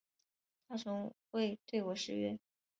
他从未对我失约